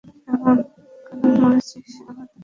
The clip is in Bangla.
কেন মেরেছিস আমার দাদাকে?